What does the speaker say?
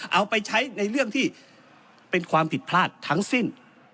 เอาไปใช้ในเรื่องที่เป็นความผิดพลาดทั้งสิ้น